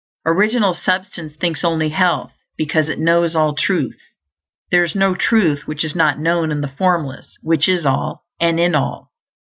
Original Substance thinks only health, because It knows all truth; there is no truth which is not known in the Formless, which is All, and in all.